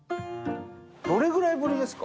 どれぐらいぶりですか？